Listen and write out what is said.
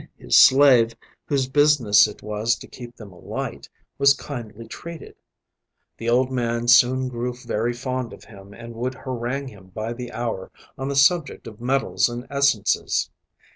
His slave, whose business it was to keep them alight, was kindly treated; the old man soon grew very fond of him and would harangue him by the hour on the subject of metals and essences.